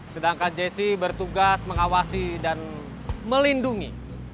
sedangkan jessi bertugas mengawasi dan melindungi